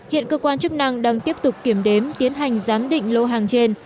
hiện cơ quan chức năng đang tiếp tục kiểm đếm tiến hành giám định lô hàng trên